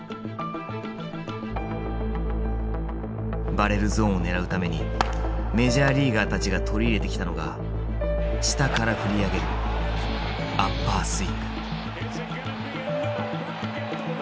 バレルゾーンを狙うためにメジャーリーガーたちが取り入れてきたのが下から振り上げるアッパースイング。